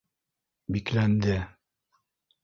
бикләнде